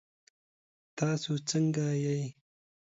تاسو ځنګه يئ؟